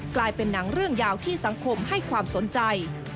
กลายเป็นหนังเรื่องยาวที่สังคมให้ความสนใจ